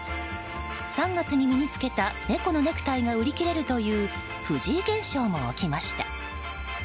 ３月に身に着けた猫のネクタイが売り切れるという藤井現象も起きました。